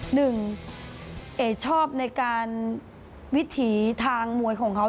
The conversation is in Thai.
เอกชอบในการวิถีทางมวยของเขา